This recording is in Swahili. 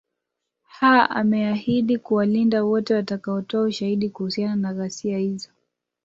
ha ameahidi kuwalinda wote watakao toa ushahidi kuhusiana na ghasia hizo